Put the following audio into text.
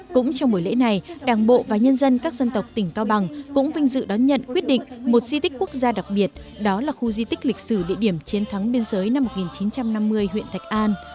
cũng trong buổi lễ này đảng bộ và nhân dân các dân tộc tỉnh cao bằng cũng vinh dự đón nhận quyết định một di tích quốc gia đặc biệt đó là khu di tích lịch sử địa điểm chiến thắng biên giới năm một nghìn chín trăm năm mươi huyện thạch an